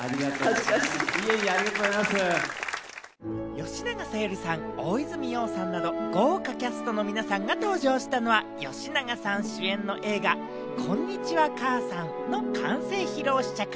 吉永小百合さん、大泉洋さんなど、豪華キャストの皆さんが登場したのは、吉永さん主演の映画『こんにちは、母さん』の完成披露試写会。